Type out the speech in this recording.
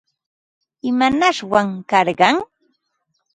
¿Imanashwan karqan?